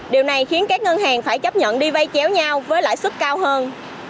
điều này khiến các ngân hàng phải chấp nhận đi vay kéo nhau với lãi suất cao hơn